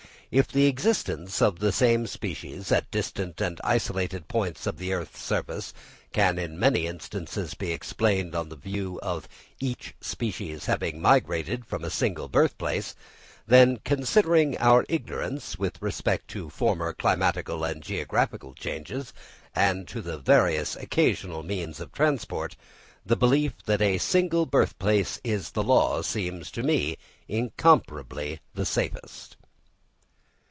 If the existence of the same species at distant and isolated points of the earth's surface can in many instances be explained on the view of each species having migrated from a single birthplace; then, considering our ignorance with respect to former climatical and geographical changes, and to the various occasional means of transport, the belief that a single birthplace is the law seems to me incomparably the safest.